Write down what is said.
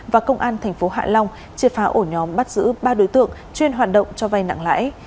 và công an tp hạ long triệt phá ổ nhóm bắt giữ ba đối tượng chuyên hoạt động cho vay nặng lãi